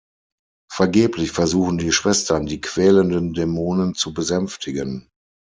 Vergeblich versuchen die Schwestern, die quälenden Dämonen zu besänftigen.